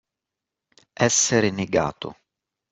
Essere negato.